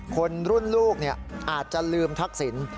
คนรุ่นลูกเนี่ยอาจจะลืมทักศิลป์